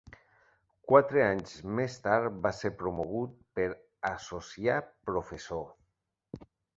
Quatre anys més tard va ser promogut per associar professor.